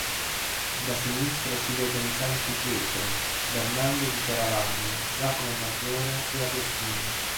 Da sinistra si vedono i santi Pietro, Bernardo di Chiaravalle, Giacomo maggiore e Agostino.